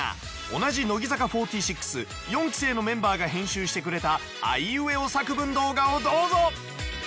同じ乃木坂４６４期生のメンバーが編集してくれたあいうえお作文動画をどうぞ。